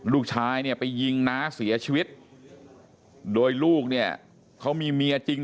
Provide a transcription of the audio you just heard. ลูกชายเนี่ยไปยิงน้าเสียชีวิตโดยลูกเนี่ยเขามีเมียจริง